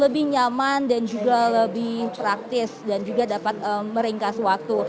lebih nyaman dan juga lebih praktis dan juga dapat meringkas waktu